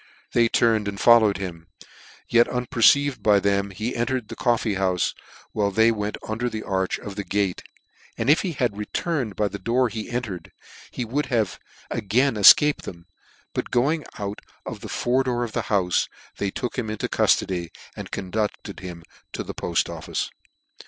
They turned and followed him : yet, unperceived by them, he entered the coffee houfe, while they went under the arch of the gate, and if he had returned by the door he entered, he would have again efcaped them ; but going out of the fore door of the houfe, they took him into cuftody, and conducted him to the Poft office.